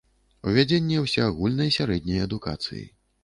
Увядзенне ўсеагульнай сярэдняй адукацыі.